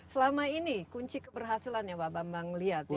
selama ini kunci keberhasilan ya pak bambang lihat ya